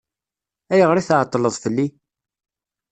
Ayɣer i tɛeṭṭleḍ fell-i?